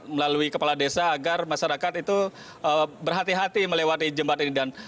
melalui kepala desa agar masyarakat itu berhati hati melewati jembatan ini